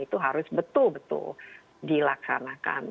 itu harus betul betul dilaksanakan